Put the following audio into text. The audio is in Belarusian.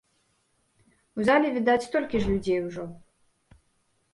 У зале, відаць, столькі ж людзей ужо.